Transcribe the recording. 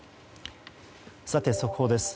速報です。